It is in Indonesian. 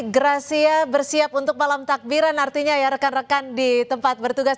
gracia bersiap untuk malam takbiran artinya ya rekan rekan di tempat bertugas